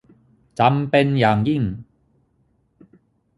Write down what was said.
จำเป็นอย่างยิ่ง